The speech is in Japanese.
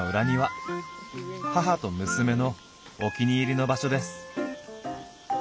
母と娘のお気に入りの場所です。